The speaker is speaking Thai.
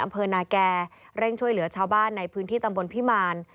อำเภอนาแก่เร่งช่วยเหลือชาวบ้านในพื้นที่ตำบลพิมาร